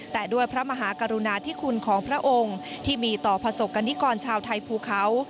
แต่ด้วยพระมหากรุณาธิคุณของพระองค์ที่มีต่อประสบกรณิกรชาวไทยภูเขา